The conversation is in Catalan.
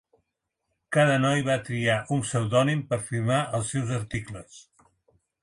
Cada noi va triar un pseudònim per firmar els seus articles.